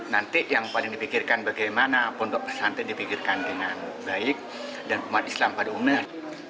nanti yang paling dipikirkan bagaimana pondok pesantren dipikirkan dengan baik dan umat islam pada umat